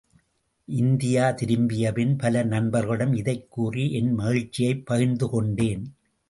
India திரும்பிய பின், பல நண்பர்களிடம் இதைக் கூறி, என் மகிழ்ச்சியைப் பகிர்த்து கொண்டேன்.